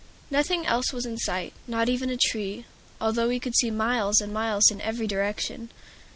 Nothing else was in sight, not even a tree, although we could see miles and miles in every direction.